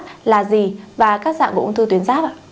ung thư tuyến ráp là gì và các dạng của ung thư tuyến ráp ạ